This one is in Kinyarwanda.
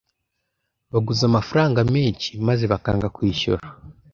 baguza amafaranga menshi maze bakanga kwishyura